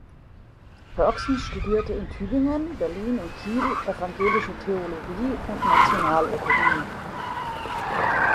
Pörksen studierte in Tübingen, Berlin und Kiel evangelische Theologie und Nationalökonomie.